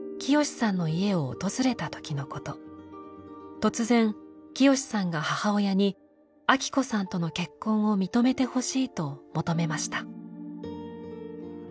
突然潔さんが母親にアキ子さんとの結婚を認めてほしいと求めました。